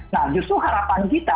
nah justru harapan kita